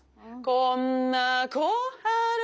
こんなこはる